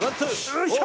よいしょ！